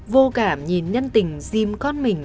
vô cảm nhìn nhân tình dìm con mình